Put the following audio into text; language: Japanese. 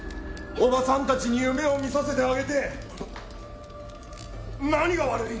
おばさんたちに夢を見させてあげて何が悪い？